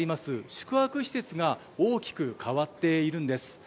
宿泊施設が大きく変わっているんです。